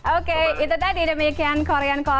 oke itu tadi demikian korean corne